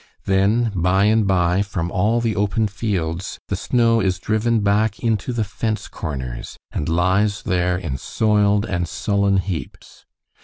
Then, by and by, from all the open fields the snow is driven back into the fence corners, and lies there in soiled and sullen heaps.